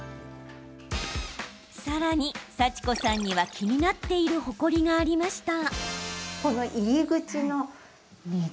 さらに、さちこさんには気になっているほこりがありました。